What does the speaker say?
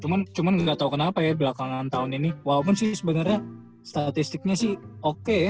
cuman cuman gak tau kenapa ya belakangan tahun ini walaupun sih sebenernya statistiknya sih oke ya